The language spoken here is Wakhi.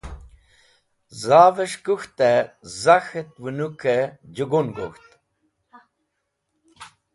Zavẽs̃h kũk̃htẽ zak̃het wẽnũkẽ jẽgun gok̃ht